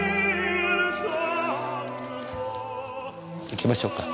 行きましょうか。